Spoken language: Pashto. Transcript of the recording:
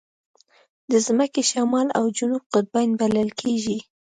د ځمکې شمال او جنوب قطبین بلل کېږي.